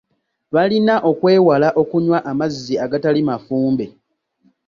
Balina okwewala okunywa amazzi agatali mafumbe.